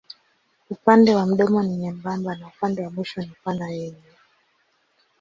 Upande wa mdomo ni nyembamba na upande wa mwisho ni pana yenye.